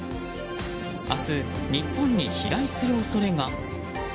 明日、日本に飛来する恐れが。